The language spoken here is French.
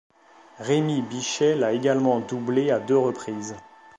Rémi Bichet l'a également doublé à deux reprises.